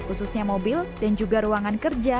khususnya mobil dan juga ruangan kerja